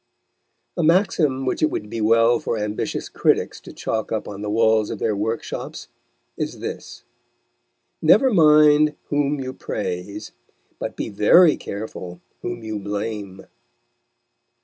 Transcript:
A maxim which it would be well for ambitious critics to chalk up on the walls of their workshops is this: never mind whom you praise, but be very careful whom you blame.